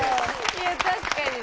いや確かにね。